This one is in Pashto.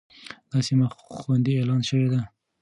دا سيمه خوندي اعلان شوې ده.